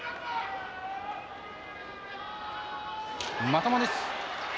まともです。